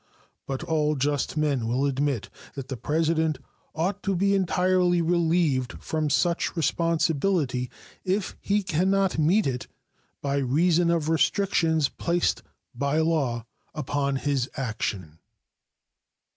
But all just men will admit that the President ought to be entirely relieved from such responsibility if he can not meet it by reason of restrictions placed by law upon his action.